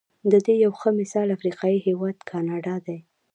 د دې یو ښه مثال افریقايي هېواد ګانا دی.